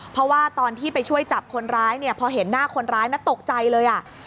เพราะว่าตอนที่ไปช่วยจับคนร้ายเนี่ยพอเห็นหน้าคนร้ายนะตกใจเลยอ่ะ